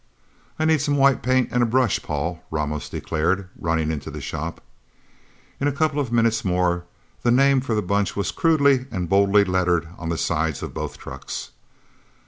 "I need some white paint and a brush, Paul," Ramos declared, running into the shop. In a couple of minutes more, the name for the Bunch was crudely and boldly lettered on the sides of both trucks.